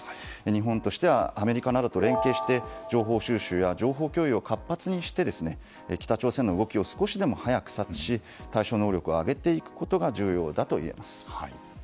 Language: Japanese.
日本としてはアメリカなどと連携して、情報収集や情報共有を活発にして北朝鮮の動きを少しでも早く察し対処能力を上げていくことが重要だといえます。